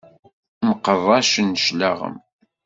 Mqeṛṛacen cclaɣem.